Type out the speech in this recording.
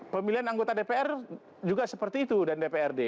pemilihan anggota dpr juga seperti itu dan dprd